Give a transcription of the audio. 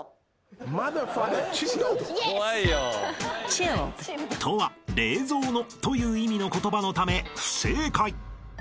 ［ｃｈｉｌｌｅｄとは「冷蔵の」という意味の言葉のため不正解］